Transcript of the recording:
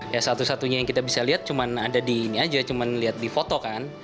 ya satu satunya yang kita bisa lihat cuma ada di ini aja cuma lihat di foto kan